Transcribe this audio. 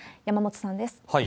山本さんです。